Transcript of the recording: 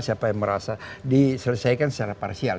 siapa yang merasa diselesaikan secara parsial